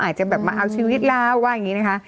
อาจจะแบบมาเอาชีวิตเราว่าอย่างนี้นะคะ